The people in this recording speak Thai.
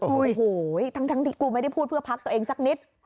โอ้โหทั้งที่กูไม่ได้พูดเพื่อพักตัวเองสักนิด